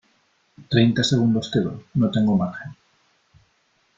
treinta segundos te doy . no tengo margen .